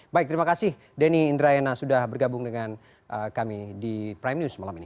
baik terima kasih denny indrayana sudah bergabung dengan kami di prime news malam ini